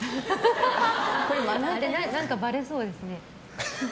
何かバレそうですね。